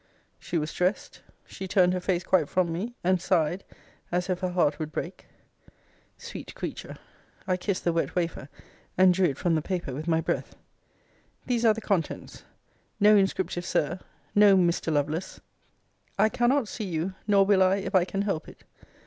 She was dressed. She turned her face quite from me; and sighed, as if her heart would break. Sweet creature: I kissed the wet wafer, and drew it from the paper with my breath. These are the contents. No inscriptive Sir! No Mr. Lovelace! I cannot see you: nor will I, if I can help it.